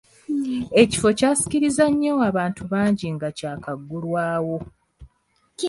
Ekifo kyasikiriza nnyo abantu bangi nga kyakagulwawo.